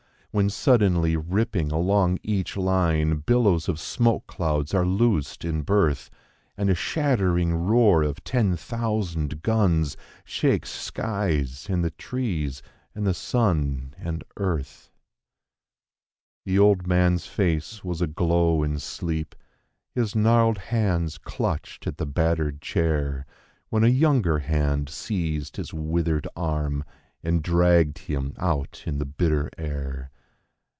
When suddenly ripping along each line, billows of smoke clouds are loosed in birth. And a shattering roar of ten thousand guns shakes skies and the trees and the sun and earth— The old man's face was aglow in sleep; his gnarled hands clutched at the battered chair, When a younger hand seized his withered arm and dragged him out in the bitter air.